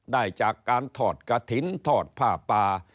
ได้จากการทอดกระถิ่นทอดผ้าป่า